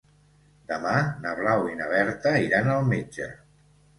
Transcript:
Demà na Blau i na Berta iran al metge.